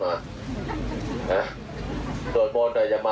วันหน้าลูกร้านนั่นแหละ